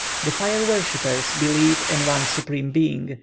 The Fire worshippers believe in one Supreme Being.